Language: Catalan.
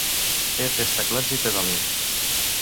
Té tres teclats i pedaler.